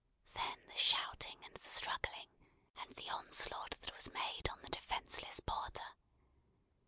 Then the shouting and the struggling, and the onslaught that was made on the defenceless porter!